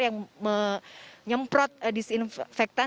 yang menyemprot disinfektan